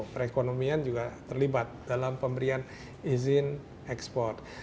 perekonomian juga terlibat dalam pemberian izin ekspor